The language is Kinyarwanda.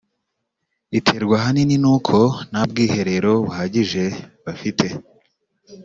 iterwa ahanini ni uko nta bwiherero buhagije bafite